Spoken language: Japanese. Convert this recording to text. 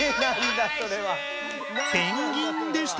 「ペンギン」でした！